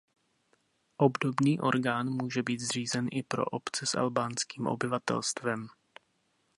Obdobný orgán může být zřízen i pro obce s albánským obyvatelstvem.